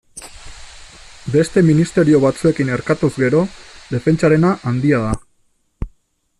Beste ministerio batzuekin erkatuz gero, defentsarena handia da.